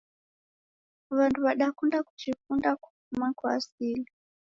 Wandu wadakunda kujifunda kufuma kwa asili.